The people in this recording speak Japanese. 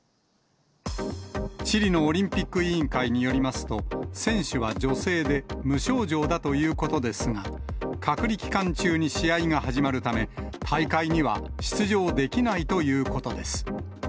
チリのオリンピック委員会によりますと、選手は女性で、無症状だということですが、隔離期間中に試合が始まるため、大会には出場できないということです。